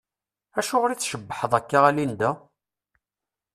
Acuɣeṛ i tcebbḥeḍ akka a Linda?